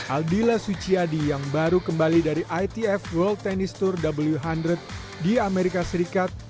aldila suciadi yang baru kembali dari itf world tennis tour wunded di amerika serikat